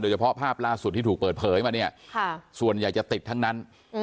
เฉพาะภาพล่าสุดที่ถูกเปิดเผยมาเนี่ยส่วนใหญ่จะติดทั้งนั้น